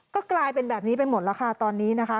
ก็กลายเป็นแบบนี้ไปหมดแล้วค่ะตอนนี้นะคะ